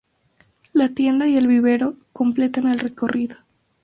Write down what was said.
La tienda y el vivero completan el recorrido.